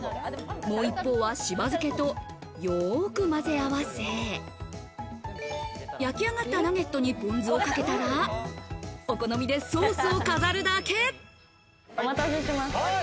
もう一方は、しば漬けとよくまぜ合わせ、焼きあがったナゲットにポン酢をかけたら、お好みでソースを飾るお待たせしました。